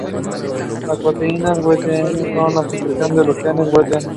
Las proteínas Wnt son la expresión de los genes Wnt.